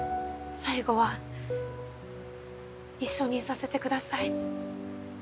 最期は一緒にいさせてください。